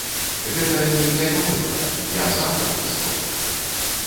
Гэта нейкая памылка, я сам падпісваў.